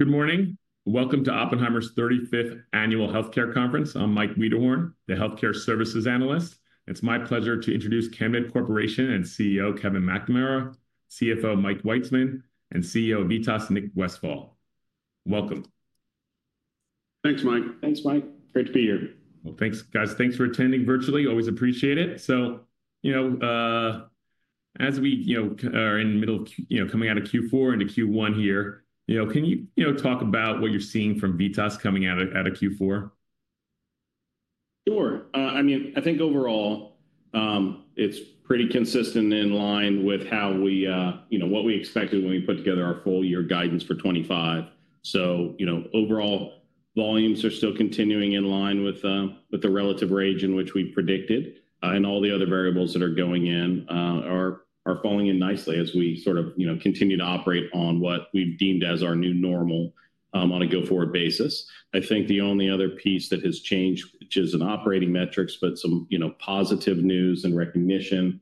Good morning. Welcome to Oppenheimer's 35th Annual Healthcare Conference. I'm Michael Wiedehorn, the Healthcare Services Analyst. It's my pleasure to introduce Chemed Corporation and CEO Kevin McNamara, CFO Mike Witzeman, and CEO VITAS Nick Westfall. Welcome. Thanks, Mike. Thanks, Mike. Great to be here. Thanks, guys. Thanks for attending virtually. Always appreciate it. As we, you know, are in the middle of, you know, coming out of Q4 into Q1 here, you know, can you, you know, talk about what you're seeing from Vitas coming out of Q4? Sure. I mean, I think overall, it's pretty consistent in line with how we, you know, what we expected when we put together our full year guidance for 2025. You know, overall volumes are still continuing in line with the relative range in which we predicted, and all the other variables that are going in are falling in nicely as we sort of, you know, continue to operate on what we've deemed as our new normal on a go-forward basis. I think the only other piece that has changed, which isn't operating metrics, but some, you know, positive news and recognition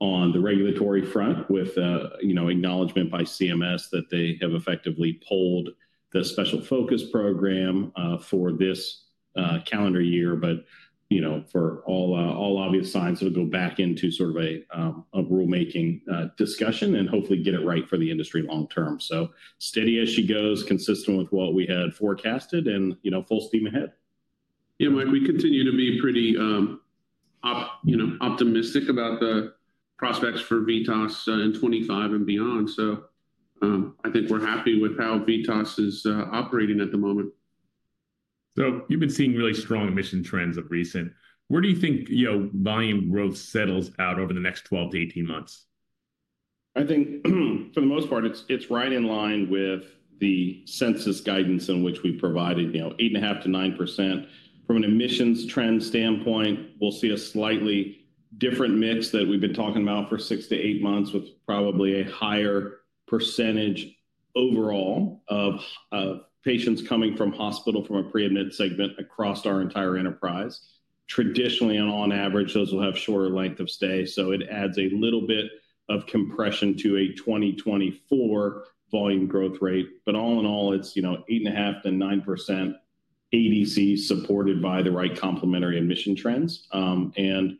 on the regulatory front with, you know, acknowledgment by CMS that they have effectively pulled the special focus program for this calendar year. For all obvious signs, it'll go back into sort of a rulemaking discussion and hopefully get it right for the industry long term. Steady as she goes, consistent with what we had forecasted, and, you know, full steam ahead. Yeah, Mike, we continue to be pretty, you know, optimistic about the prospects for Vitas in 2025 and beyond. I think we're happy with how Vitas is operating at the moment. You've been seeing really strong emission trends of recent. Where do you think, you know, volume growth settles out over the next 12 to 18 months? I think for the most part, it's right in line with the census guidance in which we provided, you know, 8.5-9%. From an admissions trend standpoint, we'll see a slightly different mix that we've been talking about for six to eight months with probably a higher percentage overall of patients coming from hospital, from a pre-admitted segment across our entire enterprise. Traditionally, and on average, those will have shorter length of stay. It adds a little bit of compression to a 2024 volume growth rate. All in all, it's, you know, 8.5-9% ADC supported by the right complementary admission trends and,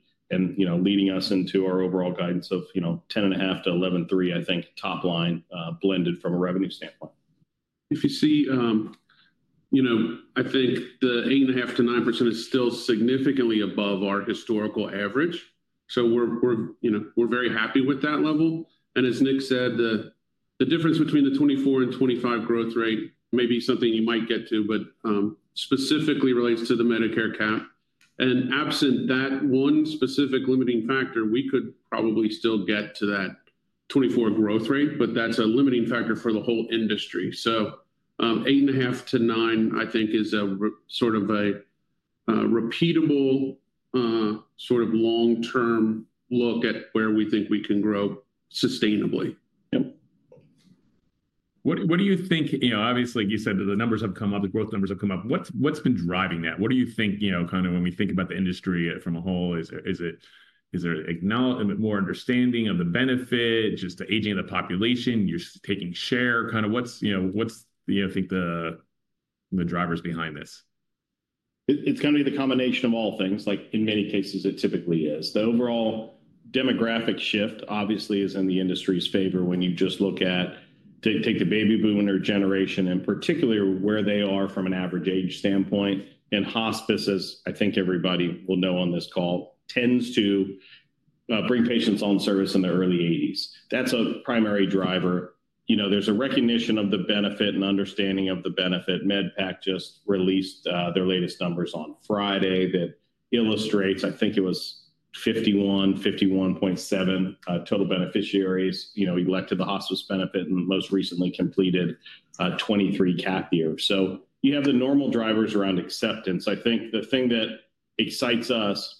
you know, leading us into our overall guidance of, you know, 10.5-11.3, I think, top line blended from a revenue standpoint. If you see, you know, I think the 8.5-9% is still significantly above our historical average. So, we're, you know, we're very happy with that level. And as Nick said, the difference between the 2024 and 2025 growth rate may be something you might get to, but specifically relates to the Medicare cap. And absent that one specific limiting factor, we could probably still get to that 2024 growth rate, but that's a limiting factor for the whole industry. So, 8.5-9%, I think, is a sort of a repeatable sort of long-term look at where we think we can grow sustainably. Yep. What do you think, you know, obviously, like you said, the numbers have come up, the growth numbers have come up. What's been driving that? What do you think, you know, kind of when we think about the industry from a whole, is it, is there more understanding of the benefit, just the aging of the population, you're taking share, kind of what's, you know, what's, you know, I think the drivers behind this? It's going to be the combination of all things. Like in many cases, it typically is. The overall demographic shift obviously is in the industry's favor when you just look at, take the baby boomer generation and particularly where they are from an average age standpoint. And hospice, as I think everybody will know on this call, tends to bring patients on service in the early '80s. That's a primary driver. You know, there's a recognition of the benefit and understanding of the benefit. MedPAC just released their latest numbers on Friday that illustrates, I think it was 51, 51.7 total beneficiaries, you know, elected the hospice benefit and most recently completed 2023 cap year. So, you have the normal drivers around acceptance. I think the thing that excites us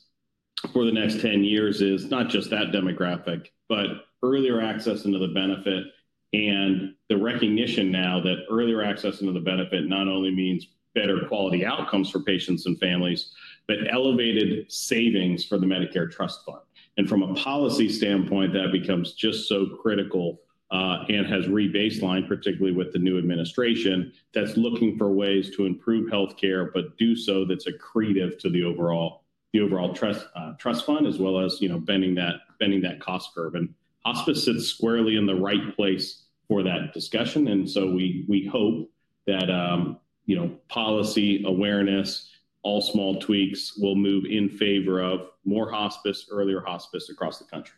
for the next 10 years is not just that demographic, but earlier access into the benefit and the recognition now that earlier access into the benefit not only means better quality outcomes for patients and families, but elevated savings for the Medicare Trust Fund. From a policy standpoint, that becomes just so critical and has rebaseline, particularly with the new administration that's looking for ways to improve healthcare, but do so that's accretive to the overall Trust Fund as well as, you know, bending that cost curve. Hospice sits squarely in the right place for that discussion. We hope that, you know, policy awareness, all small tweaks will move in favor of more hospice, earlier hospice across the country.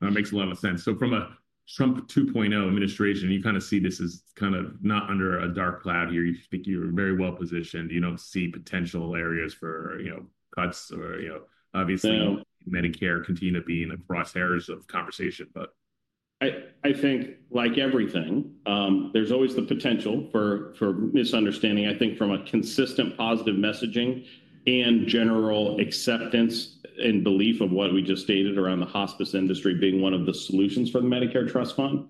That makes a lot of sense. From a Trump 2.0 administration, you kind of see this as kind of not under a dark cloud here. You think you're very well positioned. You don't see potential areas for, you know, cuts or, you know, obviously Medicare continuing to be in the crosshairs of conversation. I think like everything, there's always the potential for misunderstanding. I think from a consistent positive messaging and general acceptance and belief of what we just stated around the hospice industry being one of the solutions for the Medicare Trust Fund,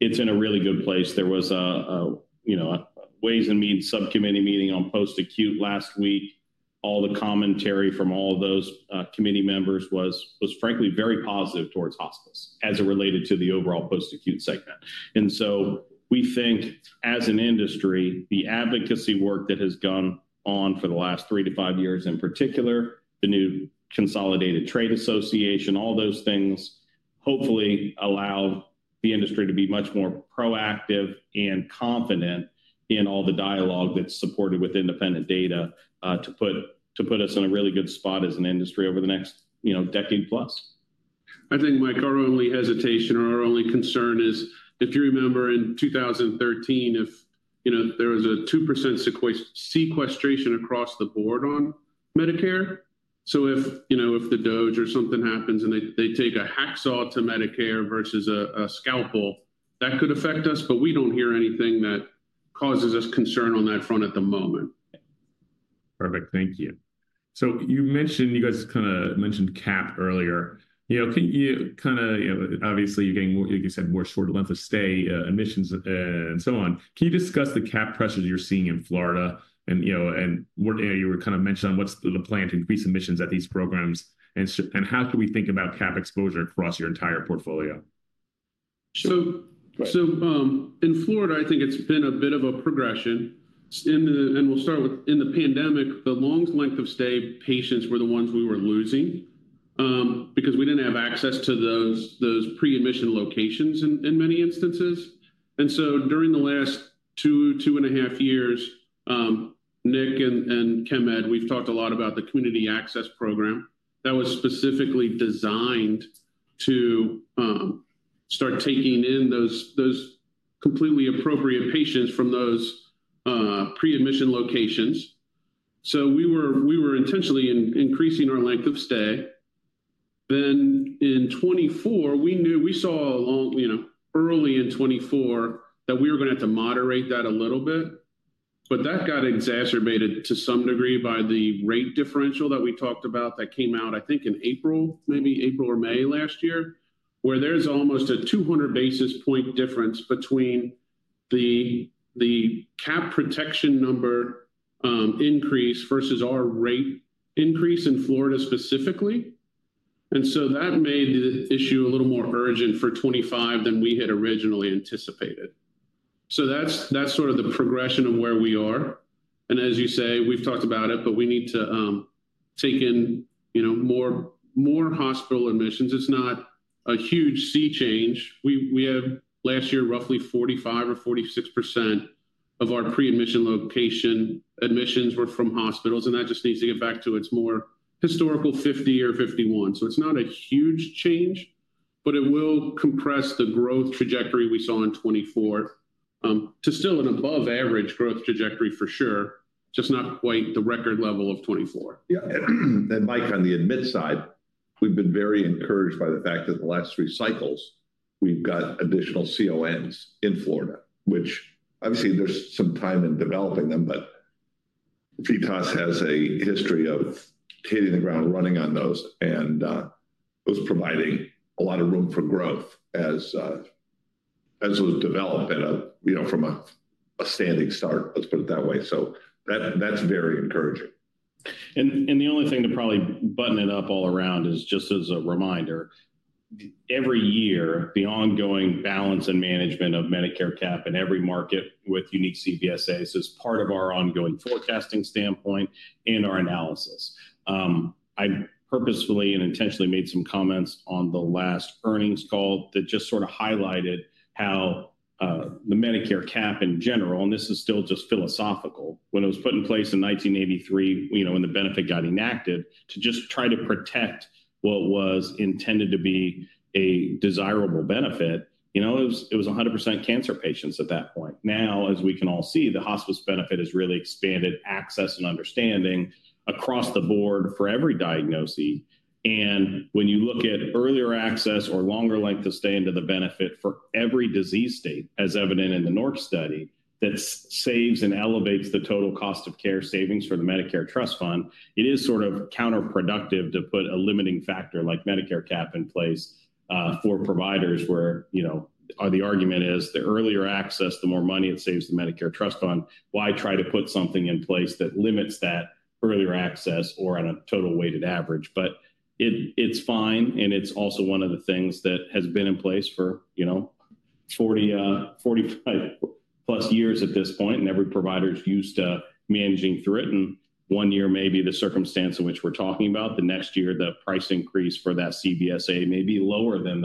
it's in a really good place. There was a, you know, Ways and Means Subcommittee meeting on post-acute last week. All the commentary from all of those committee members was, frankly, very positive towards hospice as it related to the overall post-acute segment. We think as an industry, the advocacy work that has gone on for the last three to five years in particular, the new consolidated trade association, all those things hopefully allow the industry to be much more proactive and confident in all the dialogue that's supported with independent data to put us in a really good spot as an industry over the next, you know, decade plus. I think, Mike, our only hesitation or our only concern is, if you remember in 2013, if, you know, there was a 2% sequestration across the board on Medicare. If, you know, if the DOGE or something happens and they take a hacksaw to Medicare versus a scalpel, that could affect us, but we do not hear anything that causes us concern on that front at the moment. Perfect. Thank you. You mentioned, you guys kind of mentioned cap earlier. You know, can you kind of, you know, obviously you're getting, like you said, more short length of stay, emissions and so on. Can you discuss the cap pressures you're seeing in Florida and, you know, what you were kind of mentioning on what's the plan to increase emissions at these programs and how should we think about cap exposure across your entire portfolio? In Florida, I think it's been a bit of a progression. We start with in the pandemic, the longest length of stay patients were the ones we were losing because we didn't have access to those pre-admission locations in many instances. During the last two, two and a half years, Nick and Kevin, we've talked a lot about the community access program that was specifically designed to start taking in those completely appropriate patients from those pre-admission locations. We were intentionally increasing our length of stay. In 2024, we knew, we saw, you know, early in 2024 that we were going to have to moderate that a little bit. That got exacerbated to some degree by the rate differential that we talked about that came out, I think in April, maybe April or May last year, where there is almost a 200 basis point difference between the cap protection number increase versus our rate increase in Florida specifically. That made the issue a little more urgent for 2025 than we had originally anticipated. That is sort of the progression of where we are. As you say, we have talked about it, but we need to take in, you know, more hospital admissions. It is not a huge sea change. We had last year roughly 45% or 46% of our pre-admission location admissions were from hospitals. That just needs to get back to its more historical 50% or 51%. It is not a huge change, but it will compress the growth trajectory we saw in 2024 to still an above-average growth trajectory for sure, just not quite the record level of 2024. Yeah. Mike, on the admit side, we've been very encouraged by the fact that in the last three cycles, we've got additional CONs in Florida, which obviously there's some time in developing them, but Vitas has a history of hitting the ground running on those and was providing a lot of room for growth as those develop and, you know, from a standing start, let's put it that way. That is very encouraging. The only thing to probably button it up all around is just as a reminder, every year, the ongoing balance and management of Medicare cap in every market with unique CVSAs is part of our ongoing forecasting standpoint and our analysis. I purposefully and intentionally made some comments on the last earnings call that just sort of highlighted how the Medicare cap in general, and this is still just philosophical, when it was put in place in 1983, you know, when the benefit got enacted to just try to protect what was intended to be a desirable benefit, you know, it was 100% cancer patients at that point. Now, as we can all see, the hospice benefit has really expanded access and understanding across the board for every diagnosis. When you look at earlier access or longer length of stay into the benefit for every disease state, as evident in the NORC study, that saves and elevates the total cost of care savings for the Medicare Trust Fund, it is sort of counterproductive to put a limiting factor like Medicare cap in place for providers where, you know, the argument is the earlier access, the more money it saves the Medicare Trust Fund. Why try to put something in place that limits that earlier access or on a total weighted average? It is also one of the things that has been in place for, you know, 40-45 plus years at this point. Every provider is used to managing through it. One year, maybe the circumstance in which we're talking about, the next year, the price increase for that CVSA may be lower than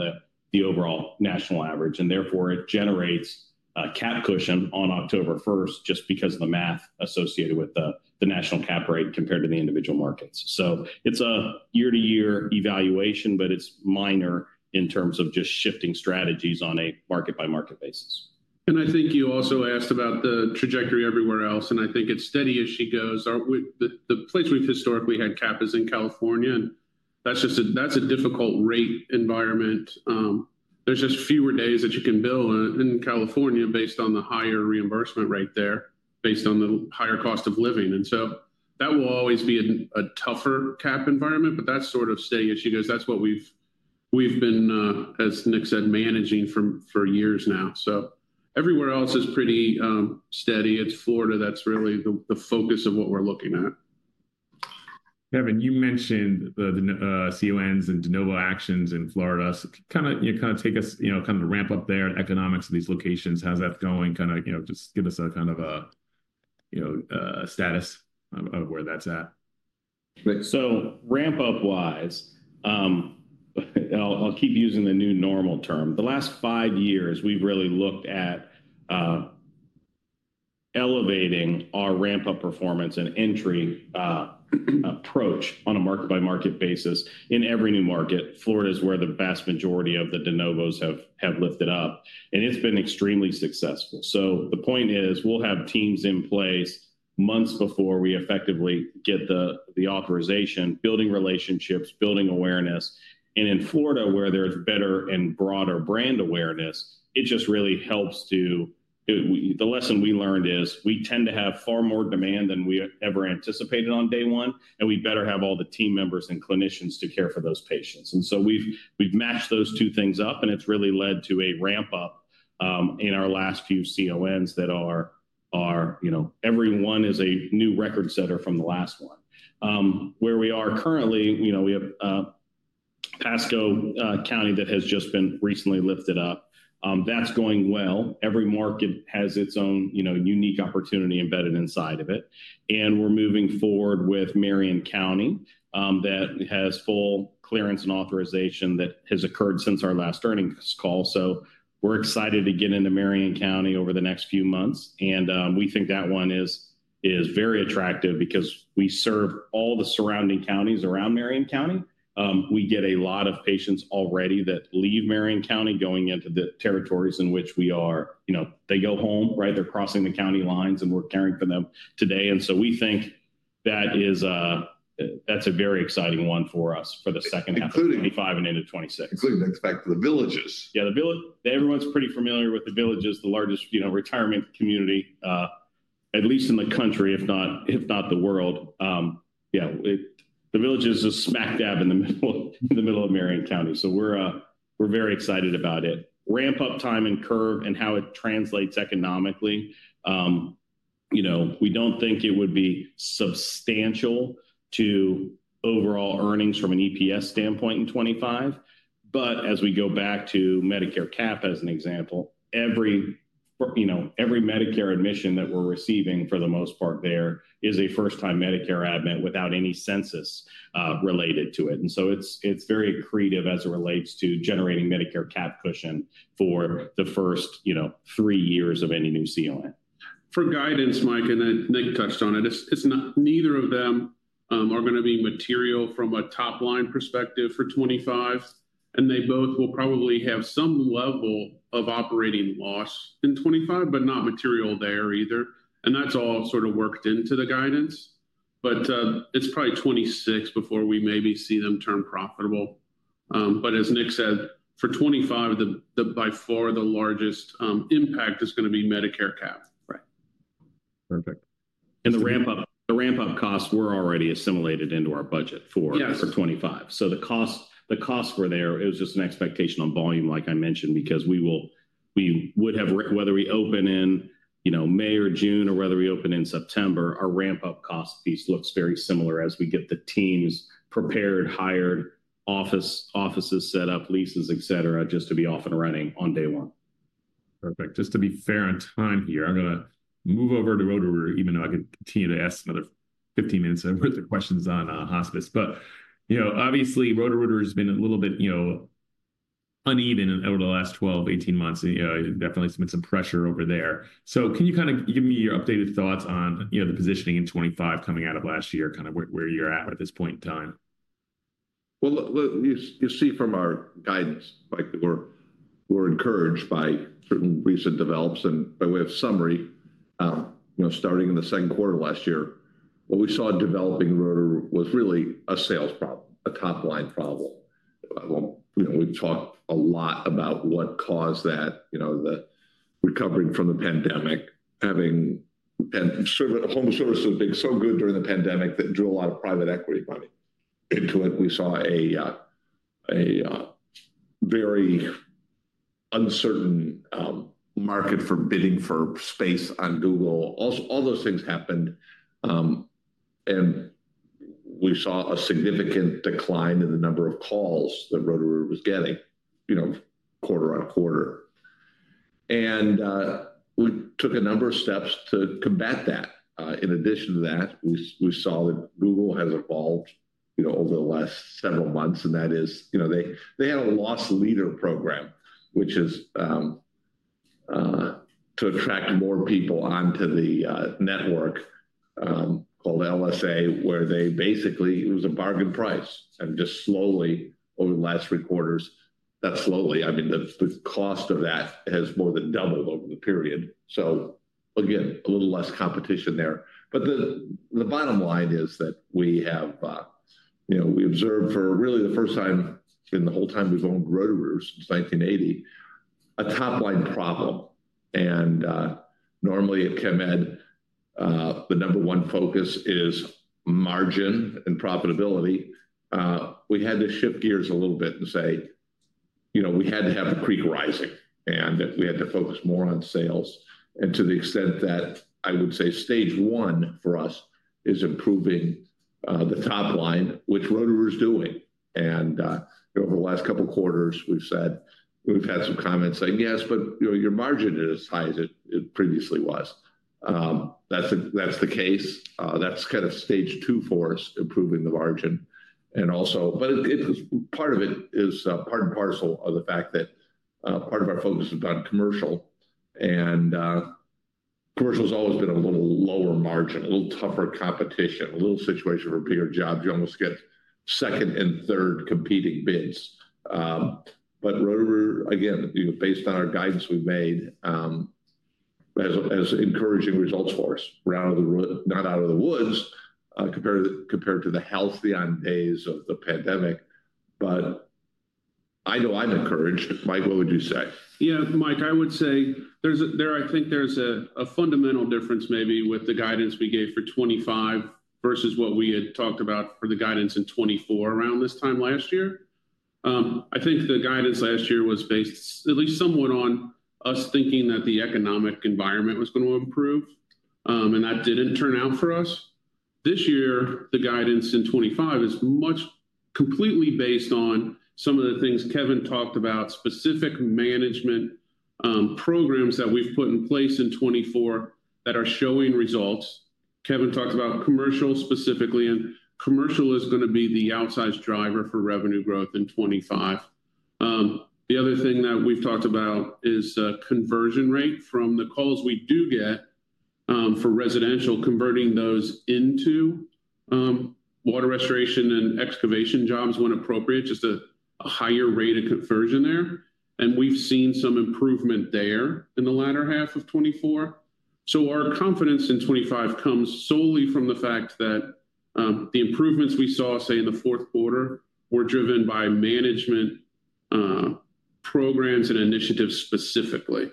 the overall national average. Therefore, it generates a cap cushion on October 1 just because of the math associated with the national cap rate compared to the individual markets. It's a year-to-year evaluation, but it's minor in terms of just shifting strategies on a market-by-market basis. I think you also asked about the trajectory everywhere else. I think it's steady as she goes. The place we've historically had cap is in California. That's just a difficult rate environment. There's just fewer days that you can bill in California based on the higher reimbursement rate there, based on the higher cost of living. That will always be a tougher cap environment. That's sort of steady as she goes. That's what we've been, as Nick said, managing for years now. Everywhere else is pretty steady. It's Florida that's really the focus of what we're looking at. Kevin, you mentioned the CONs and de novo actions in Florida. Kind of, you know, kind of take us, you know, kind of the ramp up there and economics of these locations. How's that going? Kind of, you know, just give us a kind of a, you know, status of where that's at. Ramp up wise, I'll keep using the new normal term. The last five years, we've really looked at elevating our ramp up performance and entry approach on a market-by-market basis in every new market. Florida is where the vast majority of the de novos have lifted up. It's been extremely successful. The point is we'll have teams in place months before we effectively get the authorization, building relationships, building awareness. In Florida, where there's better and broader brand awareness, it just really helps to, the lesson we learned is we tend to have far more demand than we ever anticipated on day one. We better have all the team members and clinicians to care for those patients. We've matched those two things up. It has really led to a ramp up in our last few CONs that are, you know, every one is a new record setter from the last one. Where we are currently, you know, we have Pasco County that has just been recently lifted up. That is going well. Every market has its own, you know, unique opportunity embedded inside of it. We are moving forward with Marion County that has full clearance and authorization that has occurred since our last earnings call. We are excited to get into Marion County over the next few months. We think that one is very attractive because we serve all the surrounding counties around Marion County. We get a lot of patients already that leave Marion County going into the territories in which we are, you know, they go home, right? They are crossing the county lines and we are caring for them today. We think that is, that's a very exciting one for us for the second half of 2025 and into 2026. Including the, expect The Villages. Yeah, the village, everyone's pretty familiar with The Villages, the largest, you know, retirement community, at least in the country, if not the world. Yeah, The Villages are smack dab in the middle of Marion County. We are very excited about it. Ramp up time and curve and how it translates economically, you know, we do not think it would be substantial to overall earnings from an EPS standpoint in 2025. As we go back to Medicare cap as an example, every, you know, every Medicare admission that we are receiving for the most part there is a first-time Medicare admit without any census related to it. It is very accretive as it relates to generating Medicare cap cushion for the first, you know, three years of any new CON. For guidance, Mike, and Nick touched on it, neither of them are going to be material from a top line perspective for 2025. They both will probably have some level of operating loss in 2025, not material there either. That is all sort of worked into the guidance. It is probably 2026 before we maybe see them turn profitable. As Nick said, for 2025, by far the largest impact is going to be Medicare cap. Right. Perfect. The ramp up, the ramp up costs were already assimilated into our budget for 2025. The costs were there. It was just an expectation on volume, like I mentioned, because we would have, whether we open in, you know, May or June or whether we open in September, our ramp up cost piece looks very similar as we get the teams prepared, hired, offices set up, leases, et cetera, just to be off and running on day one. Perfect. Just to be fair on time here, I'm going to move over to Roto-Rooter, even though I can continue to ask another 15 minutes worth of questions on hospice. You know, obviously Roto-Rooter has been a little bit, you know, uneven over the last 12, 18 months. You know, definitely some pressure over there. Can you kind of give me your updated thoughts on, you know, the positioning in 2025 coming out of last year, kind of where you're at at this point in time? You see from our guidance, Mike, we're encouraged by certain recent develops. And by way of summary, you know, starting in the second quarter of last year, what we saw developing at Roto-Rooter was really a sales problem, a top line problem. You know, we've talked a lot about what caused that, you know, the recovering from the pandemic, having home services being so good during the pandemic that drew a lot of private equity money into it. We saw a very uncertain market for bidding for space on Google. All those things happened. We saw a significant decline in the number of calls that Roto-Rooter was getting, you know, quarter on quarter. We took a number of steps to combat that. In addition to that, we saw that Google has evolved, you know, over the last several months. That is, you know, they had a loss leader program, which is to attract more people onto the network called LSA, where they basically, it was a bargain price. Just slowly over the last three quarters, that slowly, I mean, the cost of that has more than doubled over the period. Again, a little less competition there. The bottom line is that we have, you know, we observed for really the first time in the whole time we've owned Roto-Rooter since 1980, a top line problem. Normally at Chemed, the number one focus is margin and profitability. We had to shift gears a little bit and say, you know, we had to have the creek rising and that we had to focus more on sales. To the extent that I would say stage one for us is improving the top line, which Roto-Rooter is doing. Over the last couple of quarters, we've said, we've had some comments saying, yes, but your margin is not as high as it previously was. That is the case. That is kind of stage two for us, improving the margin. Also, part of it is part and parcel of the fact that part of our focus has been on commercial. Commercial has always been a little lower margin, a little tougher competition, a little situation for bigger jobs. You almost get second and third competing bids. Roto-Rooter, again, you know, based on our guidance we've made, has encouraging results for us, not out of the woods compared to the healthy days of the pandemic. I know I'm encouraged. Mike, what would you say? Yeah, Mike, I would say there's, I think there's a fundamental difference maybe with the guidance we gave for 2025 versus what we had talked about for the guidance in 2024 around this time last year. I think the guidance last year was based at least somewhat on us thinking that the economic environment was going to improve. That didn't turn out for us. This year, the guidance in 2025 is much completely based on some of the things Kevin talked about, specific management programs that we've put in place in 2024 that are showing results. Kevin talked about commercial specifically, and commercial is going to be the outsized driver for revenue growth in 2025. The other thing that we've talked about is conversion rate from the calls we do get for residential, converting those into water restoration and excavation jobs when appropriate, just a higher rate of conversion there. We have seen some improvement there in the latter half of 2024. Our confidence in 2025 comes solely from the fact that the improvements we saw, say, in the fourth quarter were driven by management programs and initiatives specifically.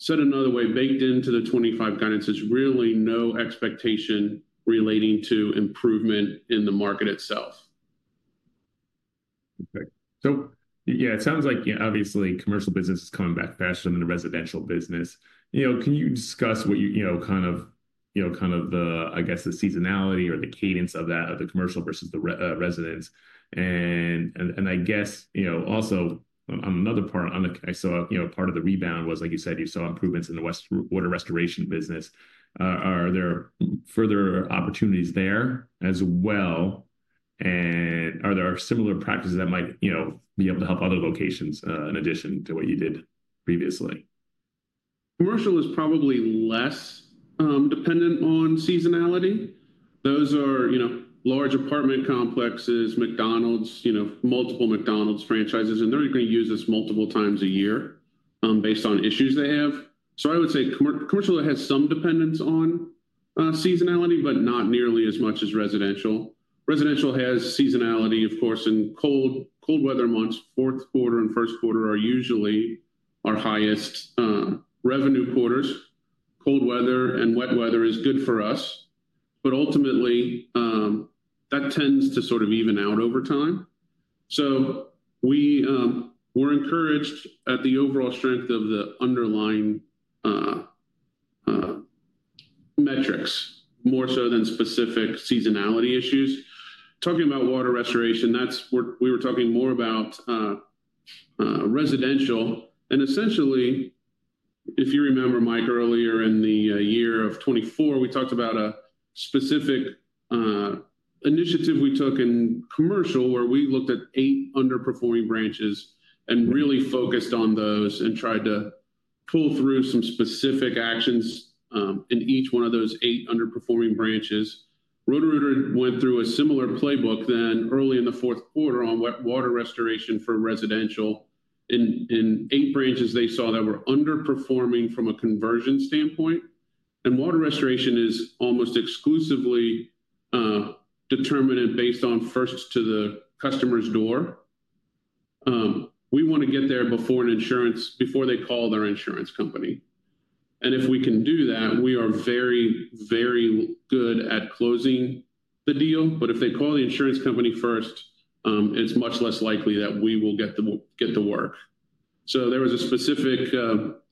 Said another way, baked into the 2025 guidance is really no expectation relating to improvement in the market itself. Okay. Yeah, it sounds like obviously commercial business is coming back faster than the residential business. You know, can you discuss what you, you know, kind of, you know, kind of the, I guess, the seasonality or the cadence of that, of the commercial versus the residents? I guess, you know, also on another part, I saw, you know, part of the rebound was, like you said, you saw improvements in the water restoration business. Are there further opportunities there as well? Are there similar practices that might, you know, be able to help other locations in addition to what you did previously? Commercial is probably less dependent on seasonality. Those are, you know, large apartment complexes, McDonald's, you know, multiple McDonald's franchises. And they're going to use this multiple times a year based on issues they have. I would say commercial has some dependence on seasonality, but not nearly as much as residential. Residential has seasonality, of course, in cold weather months. Fourth quarter and first quarter are usually our highest revenue quarters. Cold weather and wet weather is good for us. Ultimately, that tends to sort of even out over time. We're encouraged at the overall strength of the underlying metrics more so than specific seasonality issues. Talking about water restoration, that's where we were talking more about residential. Essentially, if you remember, Mike, earlier in the year of 2024, we talked about a specific initiative we took in commercial where we looked at eight underperforming branches and really focused on those and tried to pull through some specific actions in each one of those eight underperforming branches. Roto-Rooter went through a similar playbook then early in the fourth quarter on water restoration for residential in eight branches they saw that were underperforming from a conversion standpoint. Water restoration is almost exclusively determinant based on first to the customer's door. We want to get there before they call their insurance company. If we can do that, we are very, very good at closing the deal. If they call the insurance company first, it is much less likely that we will get the work. There was a specific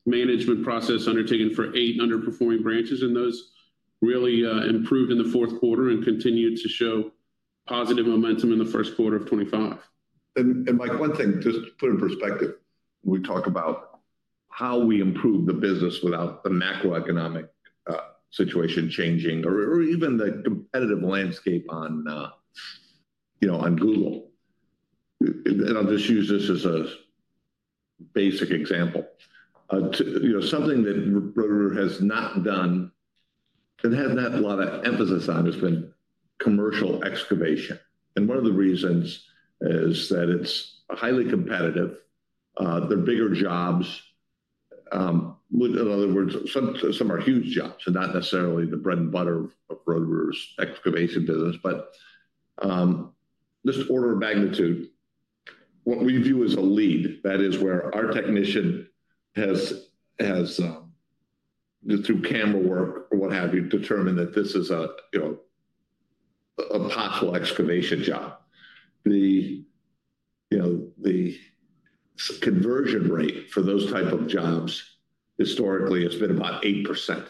management process undertaken for eight underperforming branches, and those really improved in the fourth quarter and continued to show positive momentum in the first quarter of 2025. Mike, one thing, just to put in perspective, we talk about how we improve the business without the macroeconomic situation changing or even the competitive landscape on, you know, on Google. I'll just use this as a basic example. You know, something that Roto-Rooter has not done and has not a lot of emphasis on has been commercial excavation. One of the reasons is that it's highly competitive. They're bigger jobs. In other words, some are huge jobs and not necessarily the bread and butter of Roto-Rooter's excavation business. Just order of magnitude, what we view as a lead, that is where our technician has, through camera work or what have you, determined that this is a possible excavation job. The, you know, the conversion rate for those type of jobs historically has been about 8%.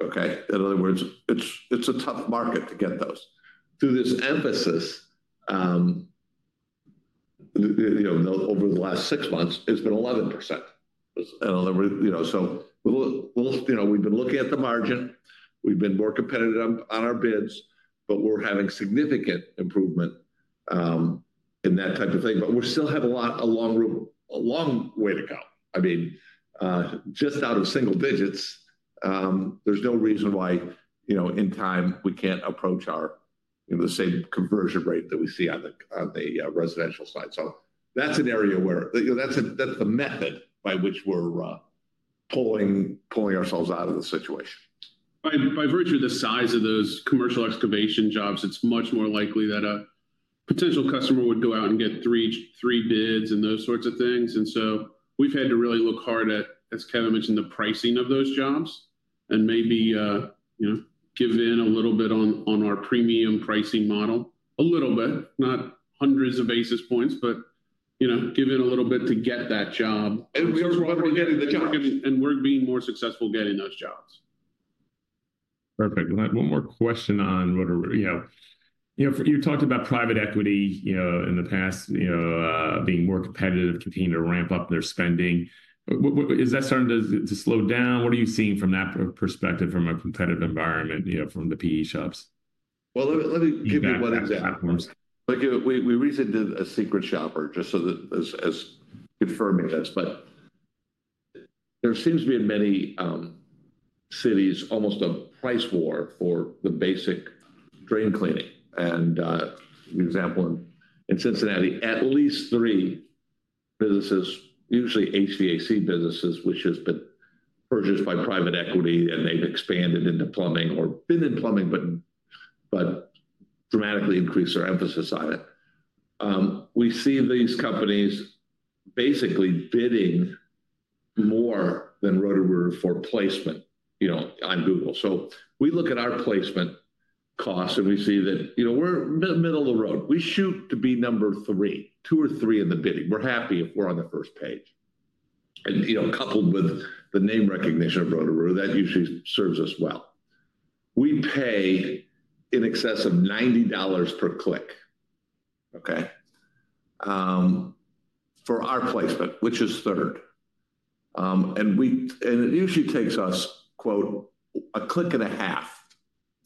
In other words, it's a tough market to get those. Through this emphasis, you know, over the last six months, it's been 11%. In other words, you know, we've been looking at the margin. We've been more competitive on our bids, but we're having significant improvement in that type of thing. We still have a long way to go. I mean, just out of single digits, there's no reason why, you know, in time we can't approach our, you know, the same conversion rate that we see on the residential side. That's an area where, you know, that's the method by which we're pulling ourselves out of the situation. By virtue of the size of those commercial excavation jobs, it's much more likely that a potential customer would go out and get three bids and those sorts of things. We have had to really look hard at, as Kevin mentioned, the pricing of those jobs and maybe, you know, give in a little bit on our premium pricing model, a little bit, not hundreds of basis points, but, you know, give in a little bit to get that job. We're getting the job. We're being more successful getting those jobs. Perfect. One more question on Roto-Rooter. You know, you talked about private equity, you know, in the past, you know, being more competitive, continuing to ramp up their spending. Is that starting to slow down? What are you seeing from that perspective from a competitive environment, you know, from the PE shops? Let me give you one example. We recently did a secret shopper, just so that as confirming this, but there seems to be in many cities almost a price war for the basic drain cleaning. An example in Cincinnati, at least three businesses, usually HVAC businesses, which have been purchased by private equity and they've expanded into plumbing or been in plumbing, but dramatically increased their emphasis on it. We see these companies basically bidding more than Roto-Rooter for placement, you know, on Google. We look at our placement costs and we see that, you know, we're middle of the road. We shoot to be number three, two or three in the bidding. We're happy if we're on the first page. You know, coupled with the name recognition of Roto-Rooter, that usually serves us well. We pay in excess of $90 per click, okay, for our placement, which is third. It usually takes us, quote, a click and a half,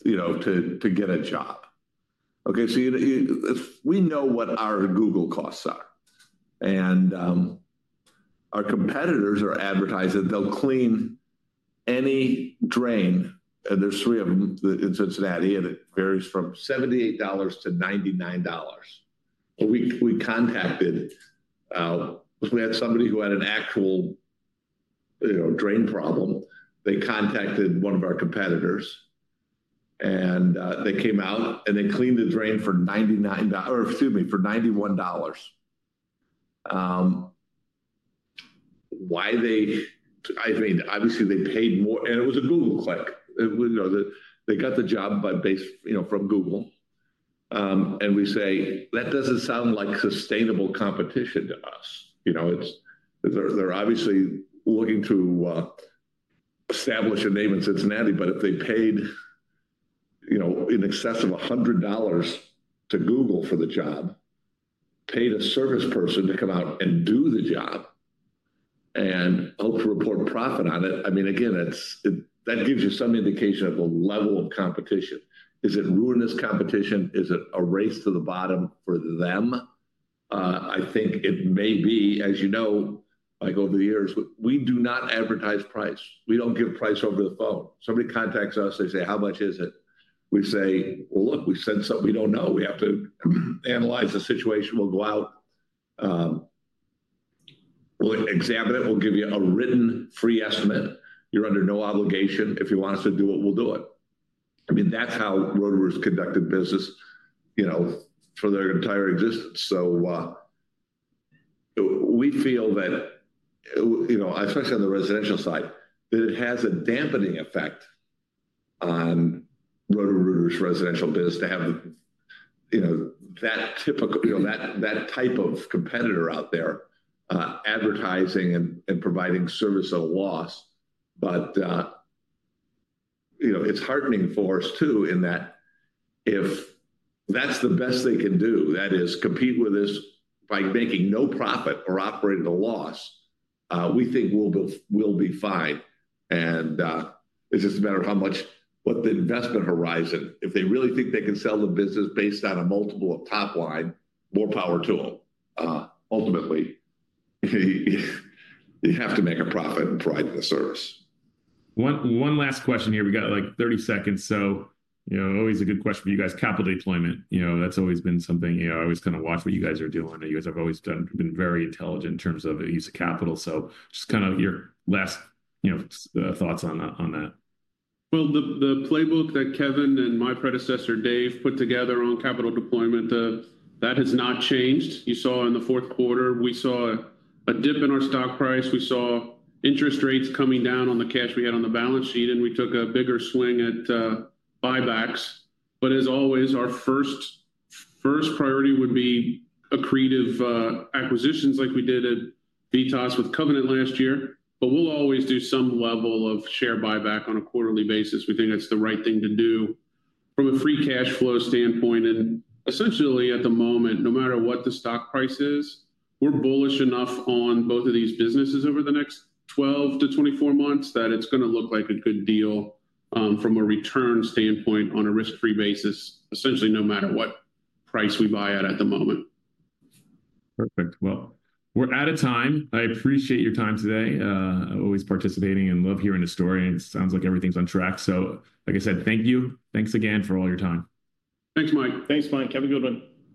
you know, to get a job. Okay? We know what our Google costs are. Our competitors are advertising that they'll clean any drain, and there are three of them in Cincinnati, and it varies from $78 to $99. We had somebody who had an actual, you know, drain problem. They contacted one of our competitors and they came out and they cleaned the drain for $99, or excuse me, for $91. I mean, obviously they paid more, and it was a Google click. You know, they got the job by base, you know, from Google. We say, that does not sound like sustainable competition to us. You know, they're obviously looking to establish a name in Cincinnati, but if they paid, you know, in excess of $100 to Google for the job, paid a service person to come out and do the job and hope to report profit on it, I mean, again, that gives you some indication of the level of competition. Is it ruinous competition? Is it a race to the bottom for them? I think it may be, as you know, like over the years, we do not advertise price. We don't give price over the phone. Somebody contacts us, they say, how much is it? We say, look, we said something we don't know. We have to analyze the situation. We'll go out, we'll examine it. We'll give you a written free estimate. You're under no obligation. If you want us to do it, we'll do it. I mean, that's how Roto-Rooter has conducted business, you know, for their entire existence. We feel that, you know, especially on the residential side, that it has a dampening effect on Roto-Rooter's residential business to have, you know, that typical, you know, that type of competitor out there advertising and providing service at a loss. You know, it's heartening for us too in that if that's the best they can do, that is compete with us by making no profit or operating at a loss, we think we'll be fine. It's just a matter of how much, what the investment horizon, if they really think they can sell the business based on a multiple of top line, more power to them. Ultimately, you have to make a profit and provide the service. One last question here. We got like 30 seconds. You know, always a good question for you guys, capital deployment. You know, that's always been something, you know, I always kind of watch what you guys are doing. You guys have always been very intelligent in terms of the use of capital. Just kind of your last, you know, thoughts on that. The playbook that Kevin and my predecessor, Dave, put together on capital deployment, that has not changed. You saw in the fourth quarter, we saw a dip in our stock price. We saw interest rates coming down on the cash we had on the balance sheet, and we took a bigger swing at buybacks. As always, our first priority would be accretive acquisitions like we did at VITAS with Covenant last year. We will always do some level of share buyback on a quarterly basis. We think that's the right thing to do from a free cash flow standpoint. Essentially at the moment, no matter what the stock price is, we're bullish enough on both of these businesses over the next 12 to 24 months that it's going to look like a good deal from a return standpoint on a risk-free basis, essentially no matter what price we buy at at the moment. Perfect. We're out of time. I appreciate your time today. Always participating and love hearing a story. It sounds like everything's on track. Like I said, thank you. Thanks again for all your time. Thanks, Mike. Thanks, Mike. Kevin Goodwin.